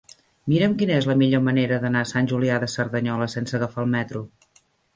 Mira'm quina és la millor manera d'anar a Sant Julià de Cerdanyola sense agafar el metro.